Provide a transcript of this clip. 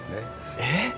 えっ？